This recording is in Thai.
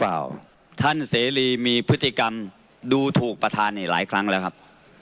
ท่านเสรีครับท่านเสรีมีพฤติกรรมดูถูกประธานหลายครั้งแล้วครับ